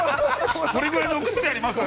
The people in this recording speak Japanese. これぐらいのお薬あります？